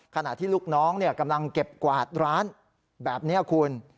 ขณะที่ลูกน้องกำลังเก็บกวาดร้านแบบนี้คุณ